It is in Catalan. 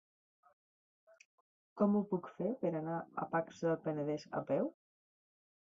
Com ho puc fer per anar a Pacs del Penedès a peu?